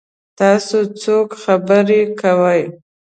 تاسو څوک خبرې کوئ؟